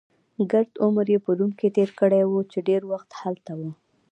ګرد عمر يې په روم کې تېر کړی وو، چې ډېر وخت هلته و.